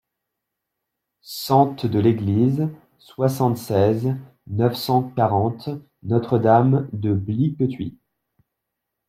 Sente de l'Église, soixante-seize, neuf cent quarante Notre-Dame-de-Bliquetuit